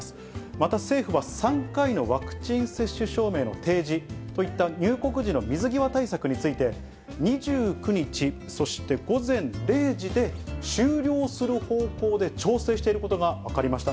また政府は３回のワクチン接種証明の提示といった入国時の水際対策について、２９日、そして午前０時で終了する方向で調整していることが分かりました。